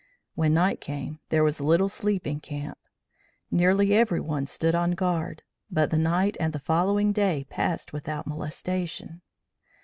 When night came, there was little sleep in camp. Nearly every one stood on guard, but the night and the following day passed without molestation.